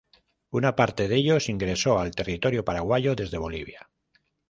Una parte de ellos ingresó a territorio paraguayo desde Bolivia.